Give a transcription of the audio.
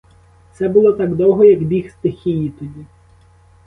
Це було так довго, як біг стихії тоді.